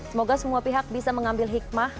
semoga semua pihak bisa mengambil hikmah